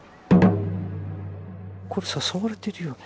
これ誘われてるよね。